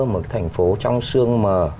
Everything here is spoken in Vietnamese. một cái thành phố trong sương mờ